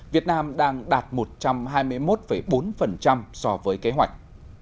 việt nam đang đạt một trăm hai mươi một bốn so với kế hoạch